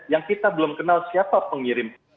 yang kita belum kenal siapa pengirim